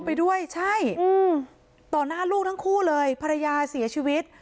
ไปด้วยใช่อืมต่อหน้าลูกทั้งคู่เลยภรรยาเสียชีวิต